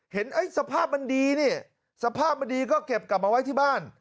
เห็นสภาพมันดีนี่สภาพมันดีก็เก็บกลับมาไว้ที่บ้าน